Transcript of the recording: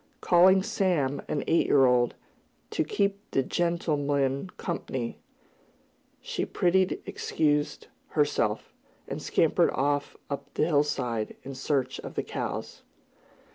Calling Sam, an eight year old, to "keep the gen'lem'n comp'ny," she prettily excused herself, and scampered off up the hillside in search of the cows.